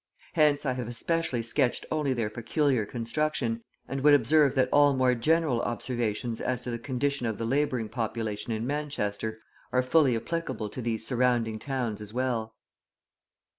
Hence I have especially sketched only their peculiar construction, and would observe, that all more general observations as to the condition of the labouring population in Manchester are fully applicable to these surrounding towns as well.